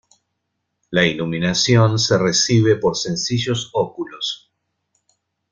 La iluminación se recibe por sencillos óculos.